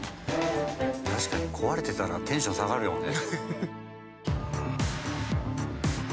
確かに壊れてたらテンション下がるよね。